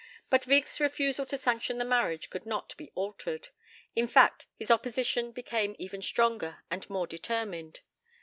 But Wieck's refusal to sanction the marriage could not be altered. In fact, his opposition became even stronger and more determined.